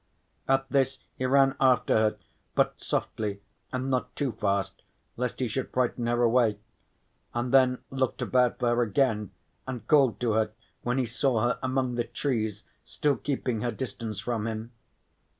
At this he ran after her, but softly and not too fast lest he should frighten her away, and then looked about for her again and called to her when he saw her among the trees still keeping her distance from him.